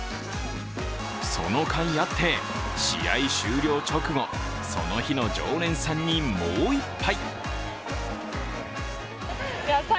そのかいあって、試合終了直後その日の常連さんにもう１杯。